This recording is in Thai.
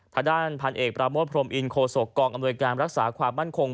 ทางด้านพันเอกปราโมทพรมอินโคศกองอำนวยการรักษาความมั่นคง